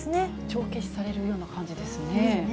帳消しされるような感じですそうですね。